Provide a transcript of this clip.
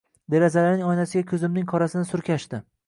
Derazalarning oynasiga ko’zimning qorasini surkashdi.